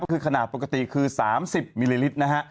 ก็คือขนาดปกติคือ๓๐มิลลิลิตรนะฮะ